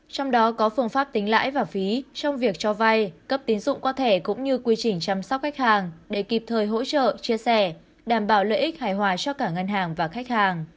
trong đó có phương pháp tính lãi và phí trong việc cho vay cấp tín dụng qua thẻ cũng như quy trình chăm sóc khách hàng để kịp thời hỗ trợ chia sẻ đảm bảo lợi ích hài hòa cho cả ngân hàng và khách hàng